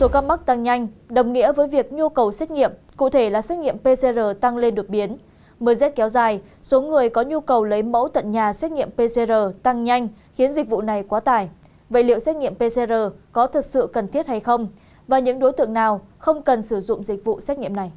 các bạn hãy đăng ký kênh để ủng hộ kênh của chúng mình nhé